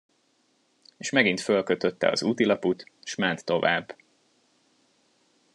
És megint fölkötötte az útilaput, s ment tovább.